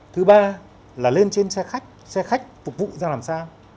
thứ ba là lên trên xe khách xe khách phục vụ ra làm sao